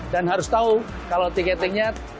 dan harus tahu kalau tiketingnya